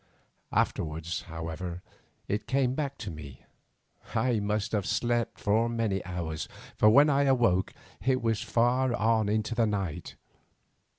Afterwards, however, it came back to me. I must have slept for many hours, for when I awoke it was far on into the night.